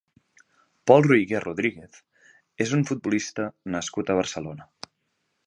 Pol Roigé Rodríguez és un futbolista nascut a Barcelona.